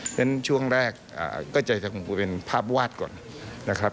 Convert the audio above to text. ฉะนั้นช่วงแรกก็จะคงเป็นภาพวาดก่อนนะครับ